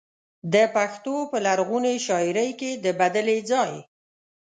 د پښتو په لرغونې شاعرۍ کې د بدلې ځای.